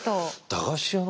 駄菓子屋だ。